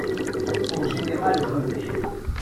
Au général Joubert.